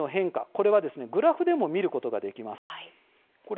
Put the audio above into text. これはグラフでも見ることができます。